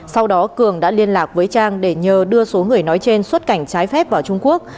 sau đó cường đã liên lạc với trang để nhờ đưa số người nói trên xuất cảnh trái phép vào trung quốc